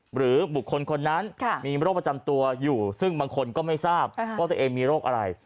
หรือบุคคลคนนั้นมีโรคประจำตัวอยู่ซึ่งบางคนก็ไม่ทราบว่าตัวเองมีโรคอะไร